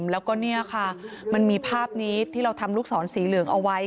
แล้วก็มีภาพนี้ที่เราทำลูกศรสีเหลืองเอาไว้